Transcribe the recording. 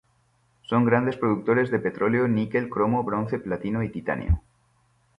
Son grandes productores de petróleo, níquel, cromo, bronce, platino y titanio.